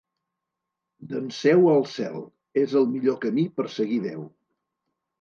D'Enseu al cel: és el millor camí per seguir Déu.